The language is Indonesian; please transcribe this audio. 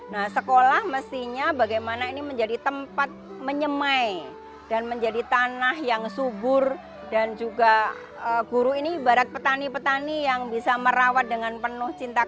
nah sekolah mestinya bagaimana ini menjadi tempat menyemai dan menjadi tanah yang subur dan juga guru ini ibarat petani petani yang bisa merawat dengan penuh cinta